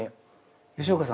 吉岡さん